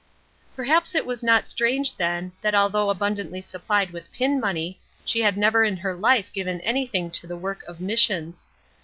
Perhaps it was not strange then, that although abundantly supplied with pin money, she had never in her life given anything to the work of Missions.